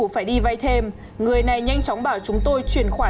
chỉ thấy em đi phát đi nhớ